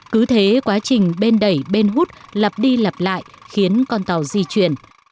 cứ thế quá trình bên đẩy bên hút lặp đi lặp lại khiến con tàu di chuyển